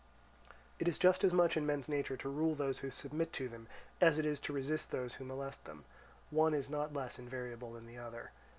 It is just as much in men's nature to rule those who submit to them, as it is to resist those who molest them; one is not less invariable than the other.